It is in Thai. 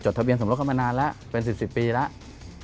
ทะเบียนสมรสเข้ามานานแล้วเป็น๑๐ปีแล้ว